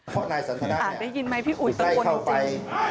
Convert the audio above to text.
พ่อนายสันทนาได้เข้าไป